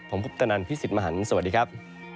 ผมพุทธนันทร์พี่สิทธิ์มหันธ์สวัสดีครับ